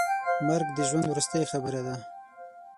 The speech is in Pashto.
مرګ د ژوند وروستۍ خبره ده.